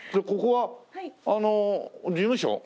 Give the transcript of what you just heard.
ここはあの事務所？